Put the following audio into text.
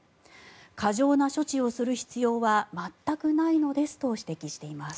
過剰な処置をする必要は全くないのですと指摘しています。